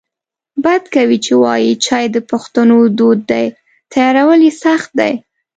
بد کوي چې وایې چای د پښتنو دود دی تیارول یې سخت دی